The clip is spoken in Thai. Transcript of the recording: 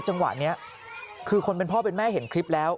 จังหวะนี้คือคนเป็นพ่อเป็นแม่เห็นคลิปแล้ว